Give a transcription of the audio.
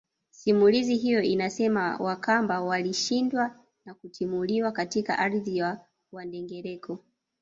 Simulizi hiyo inasema Wakamba walishindwa na kutimuliwa katika ardhi ya Wandengereko